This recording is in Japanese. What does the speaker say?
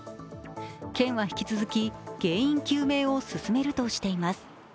県は引き続き、原因究明を進めるとしています。